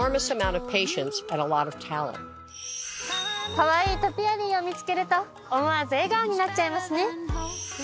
かわいいトピアリーを見つけると思わず笑顔になっちゃいますね。